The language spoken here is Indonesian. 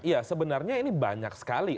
ya sebenarnya ini banyak sekali